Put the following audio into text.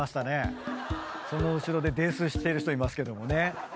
その後ろで泥酔している人いますけどもね。